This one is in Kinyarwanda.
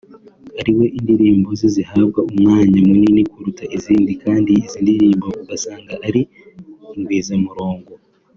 ariwe indirimbo ze zihabwa umanywa munini kuruta izindi kandi izi ndirimbo ugasanga ari ingwizamurongo